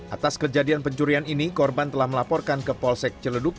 atas kejadian pencurian ini korban telah melaporkan ke polsek celeduk